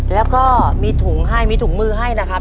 แล้วก็มีถุงมือให้นะครับ